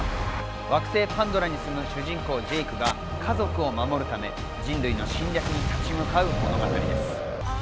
惑星パンドラに住む主人公・ジェイクが家族を守るため、人類の侵略に立ち向かう物語です。